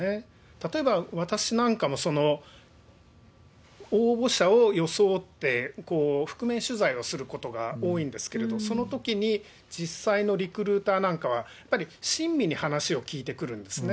例えば私なんかも応募者を装って、覆面取材をすることが多いんですけれど、そのときに、実際のリクルーターなんかは、やっぱり親身に話を聞いてくるんですね。